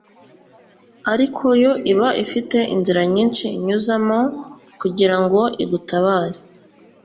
ariko yo iba ifite inzira nyinshi inyuzamo kugirango igutabare